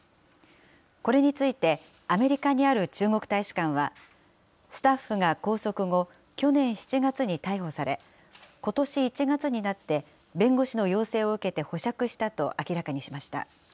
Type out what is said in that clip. これについて、アメリカにある中国大使館は、スタッフが拘束後、去年７月に逮捕され、ことし１月になって、弁護士の要請を受けて保釈したと明らかにしました。